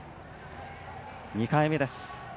２回目です。